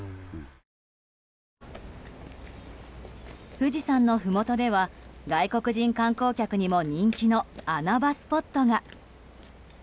富士山のふもとでは外国人観光客にも人気の穴場スポットが。